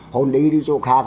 hôn đi đi chỗ khác